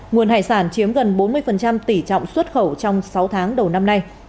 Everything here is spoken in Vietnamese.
nguồn hải sản chiếm gần bốn mươi tỷ trọng xuất khẩu trong sáu tháng đầu năm nay